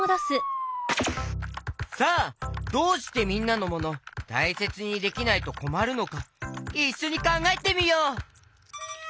さあどうしてみんなのモノたいせつにできないとこまるのかいっしょにかんがえてみよう！